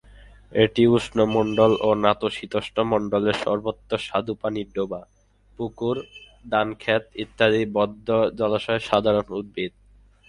এটি উষ্ণমন্ডল ও নাতিশীতোষ্ণমন্ডলের সর্বত্র স্বাদুপানির ডোবা, পুকুর, ধানক্ষেত ইত্যাদি বদ্ধ জলাশয়ের সাধারণ উদ্ভিদ।